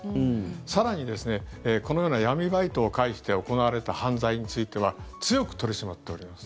更に、このような闇バイトを介して行われた犯罪については強く取り締まっております。